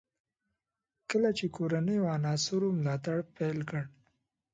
کله چې کورنیو عناصرو ملاتړ پیل کړ.